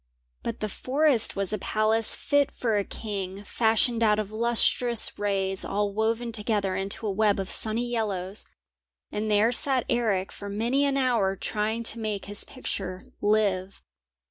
But the forest was a palace fit for a king, fashioned out of lustrous rays all woven together into a web of sunny yellows, and there sat Eric for many an hour trying to make his picture live.